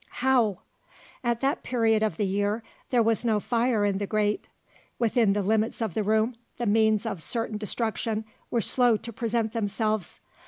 How? At that period of the year, there was no fire in the grate. Within the limits of the room, the means of certain destruction were slow to present themselves.